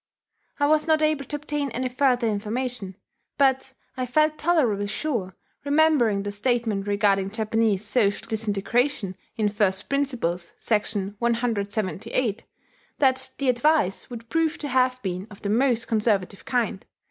I was not able to obtain any further information; but I felt tolerably sure, remembering the statement regarding Japanese social disintegration in "First Principles" (section 178), that the advice would prove to have been of the most conservative kind.